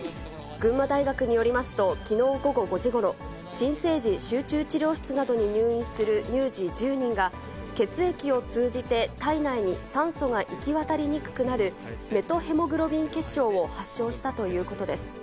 群馬大学によりますと、きのう午後５時ごろ、新生児集中治療室などに入院する乳児１０人が、血液を通じて体内に酸素が行き渡りにくくなるメトヘモグロビン血症を発症したということです。